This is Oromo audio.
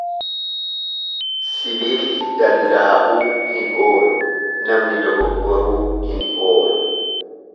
Sibiilli dandaa'uu hin oolu, namni dogoggoruu hin oolu.